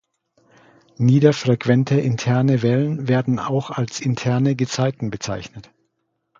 Niederfrequente interne Wellen werden auch als interne Gezeiten bezeichnet.